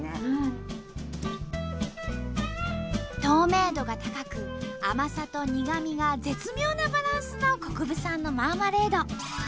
透明度が高く甘さと苦みが絶妙なバランスの國分さんのマーマレード。